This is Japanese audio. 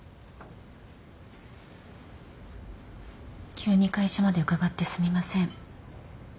急に会社まで伺ってすみません。